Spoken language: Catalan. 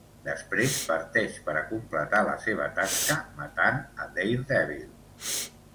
Després parteix per a completar la seva tasca matant a Daredevil.